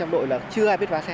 đội là chưa ai biết vá xe